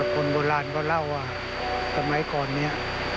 คนโบราณก็เล่าว่าสมัยก่อนนี้